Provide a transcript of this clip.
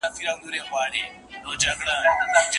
يوسف عليه السلام ځان وساتی او بريالی سو.